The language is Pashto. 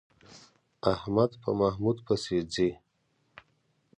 احمد په محمود پسې ځي.